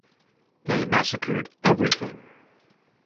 They massacred everything.